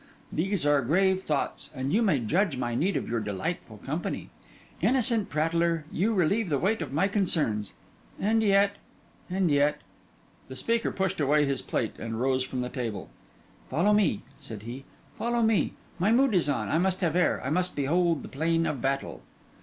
These are grave thoughts, and you may judge my need of your delightful company. Innocent prattler, you relieve the weight of my concerns. And yet ... and yet ...' The speaker pushed away his plate, and rose from table. 'Follow me,' said he, 'follow me. My mood is on; I must have air, I must behold the plain of battle.